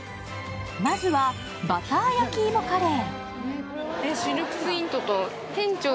まずはバター焼き芋カレー。